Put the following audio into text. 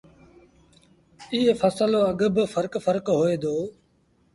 ايئي ڦسل رو اگھ با ڦرڪ ڦرڪ هوئي دو